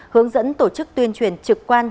hướng dẫn tổ chức tuyên truyền trực quan